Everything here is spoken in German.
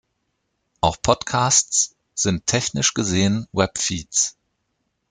Auch Podcasts sind technisch gesehen Web-Feeds.